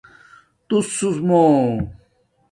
توسو مُو